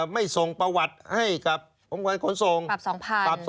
ไม่ส่งประวัติให้กับคนส่งปรับ๒๐๐๐ปรับ๒๐๐๐